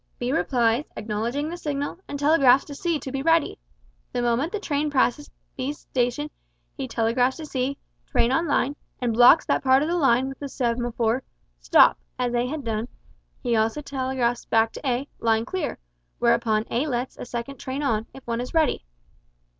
B replies, acknowledging the signal, and telegraphs to C to be ready. The moment the train passes B's station, he telegraphs to C, "Train on line," and blocks that part of the line with the semaphore, "Stop", as A had done, he also telegraphs back to A, "Line clear," whereupon A lets a second train on, if one is ready.